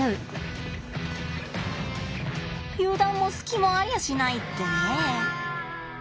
油断も隙もありゃしないってね。